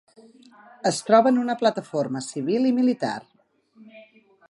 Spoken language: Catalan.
Es troba en una plataforma civil i militar.